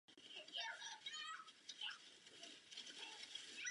Dodnes tak zůstaly jen spekulace bez možnosti ověření.